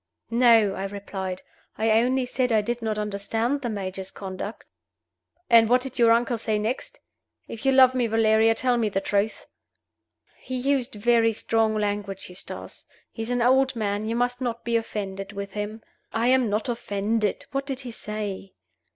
"No," I replied. "I only said that I did not understand the major's conduct." "And what did your uncle say next? If you love me, Valeria, tell me the truth." "He used very strong language, Eustace. He is an old man; you must not be offended with him." "I am not offended. What did he say?"